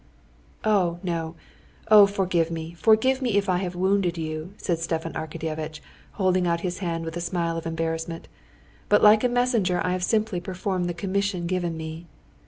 "Oh, no! Oh, forgive me, forgive me if I have wounded you," said Stepan Arkadyevitch, holding out his hand with a smile of embarrassment; "but like a messenger I have simply performed the commission given me."